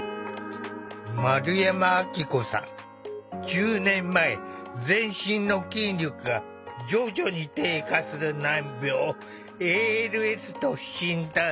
１０年前全身の筋力が徐々に低下する難病ＡＬＳと診断された。